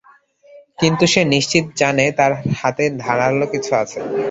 কিন্তু সে নিশ্চিত জানে, তার হাতে ধারাল কিছু একটা আছে।